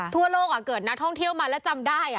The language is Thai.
ทั่วโลกเกิดนักท่องเที่ยวมาแล้วจำได้